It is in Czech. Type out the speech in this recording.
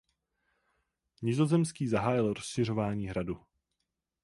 Nizozemský zahájil rozšiřování hradu.